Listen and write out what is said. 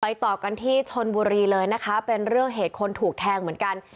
ต่อกันที่ชนบุรีเลยนะคะเป็นเรื่องเหตุคนถูกแทงเหมือนกัน